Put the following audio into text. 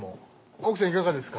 奥さんいかがですか？